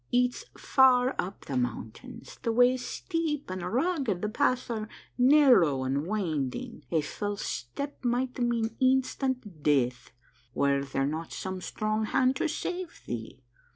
" It's far up the mountains. The way is steep and rugged, the paths are narrow and winding, a false step might mean instant death, were there not some strong hand to save thee.